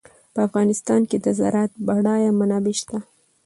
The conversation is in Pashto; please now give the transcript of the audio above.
په افغانستان کې د زراعت بډایه منابع شته.